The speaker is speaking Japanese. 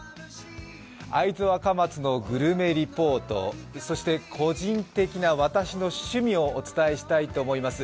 会津若松のグルメリポートそして個人的な私の趣味をお伝えしたいと思います。